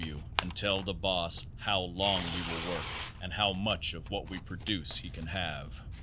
| W. and tell the boss how long we will work and how f (much of what we produce he can have.